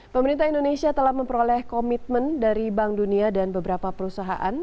pemerintah indonesia telah memperoleh komitmen dari bank dunia dan beberapa perusahaan